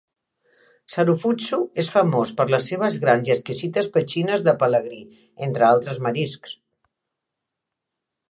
Sarufutsu és famós per les seves grans i exquisides petxines de pelegrí, entre altres mariscs.